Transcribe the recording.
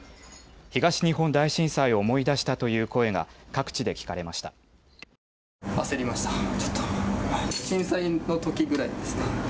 東日本大震災を思い出したという声が各地で聞かれました。